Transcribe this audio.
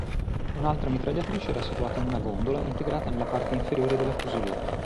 Un'altra mitragliatrice era situata in una gondola integrata nella parte inferiore della fusoliera.